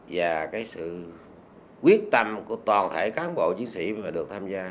và cái sự quyết tâm của toàn thể cán bộ chiến sĩ mà được tham gia